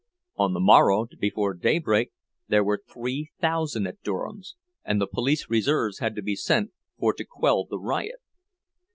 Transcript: On the morrow, before daybreak, there were three thousand at Durham's, and the police reserves had to be sent for to quell the riot.